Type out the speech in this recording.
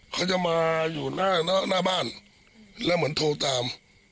เขาจะมาอยู่หน้าหน้าบ้านแล้วเหมือนโทรตาม